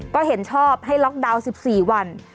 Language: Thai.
ก็เห็นชอบให้ล็อกดาวน์๑๔วัน